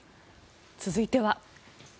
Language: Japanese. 続いては。